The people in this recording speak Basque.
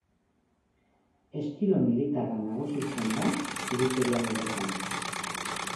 Estilo militarra nagusitzen da editorial horretan.